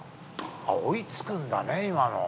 追いつくんだね、今の。